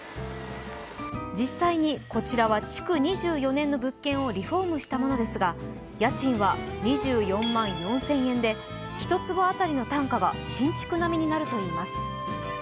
実際にこちらは築２４年の物件をリフォームしたものですが、家賃は２４万４０００円で１坪あたりの単価が新築並みになるといいます。